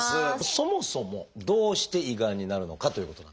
そもそもどうして胃がんになるのかということなんですが。